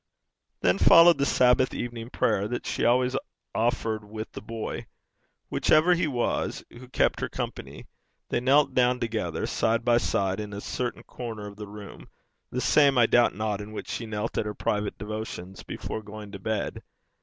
Then followed the Sabbath evening prayer that she always offered with the boy, whichever he was, who kept her company. They knelt down together, side by side, in a certain corner of the room, the same, I doubt not, in which she knelt at her private devotions, before going to bed.